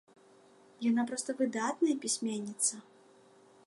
Яна проста выдатная пісьменніца!